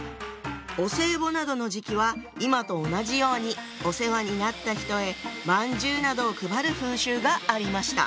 お歳暮などの時期は今と同じようにお世話になった人へまんじゅうなどを配る風習がありました。